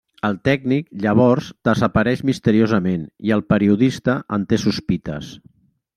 El tècnic, llavors, desapareix misteriosament, i el periodista en té sospites.